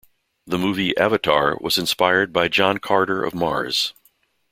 The movie "Avatar" was inspired by John Carter of Mars.